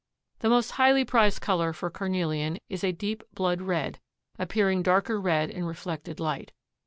The most highly prized color for carnelian is a deep blood red, appearing darker red in reflected light.